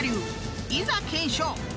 ［いざ検証］